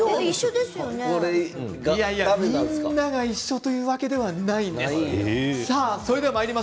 みんなが一緒というわけではないんです。